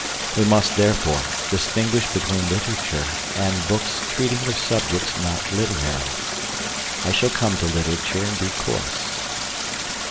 We must, therefore, distinguish between literature, and books treating of subjects not literary. I shall come to literature in due course.